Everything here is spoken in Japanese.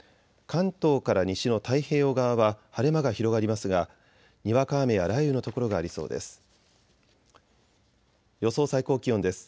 関東から西の太平洋側は晴れ間が広がりますがにわか雨や雷雨の所がありそうです。